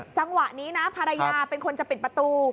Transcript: จังหวะนี้นะภรรยาเป็นคนจะปิดประตู